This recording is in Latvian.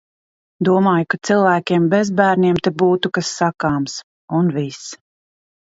Domāju, ka cilvēkiem bez bērniem te būtu kas sakāms. Un viss.